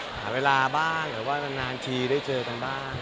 หาเวลาบ้างหรือว่านานทีได้เจอกันบ้าง